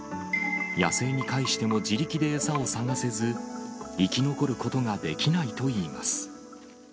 野生に返しても自力で餌を探せず、生き残ることができないといいます。